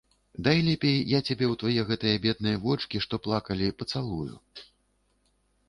Дай лепей я цябе ў твае гэтыя бедныя вочкі, што плакалі, пацалую.